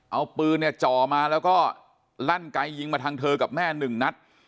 เอาปืนเนี่ยจ่อมาแล้วก็ลั่นไกยิงมาทางเธอกับแม่หนึ่งนัด